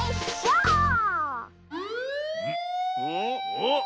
おっ。